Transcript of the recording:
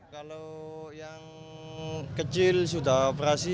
kalau yang kecil sudah operasi